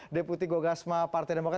deputi gogasma partai demokrat